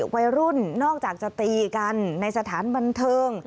วัยรุ่นนอกจากจะตีกันในสถานบันเทิง